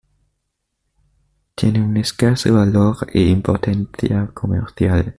Tiene una escaso valor e importancia comercial.